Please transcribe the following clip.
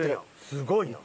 すごいな。